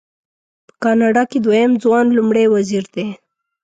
په کاناډا کې دویم ځوان لومړی وزیر دی.